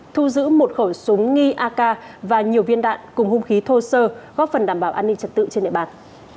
thu giữ một khẩu súng nghi ak và nhiều viên đạn cùng hung khí thô sơ góp phần đảm bảo an ninh trật tự trên địa bàn